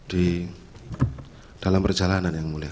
di dalam perjalanan yang mulia